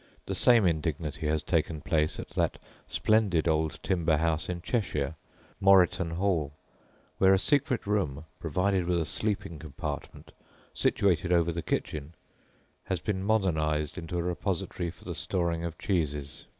The same indignity has taken place at that splendid old timber house in Cheshire, Moreton Hall, where a secret room, provided with a sleeping compartment, situated over the kitchen, has been modernised into a repository for the storing of cheeses.